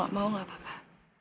omdat airnya disirkan